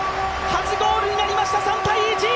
初ゴールになりました！